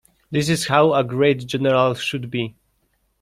This is how a great general should be.